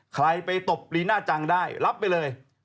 ใครไปตบลีน่าจังได้รับไปเลย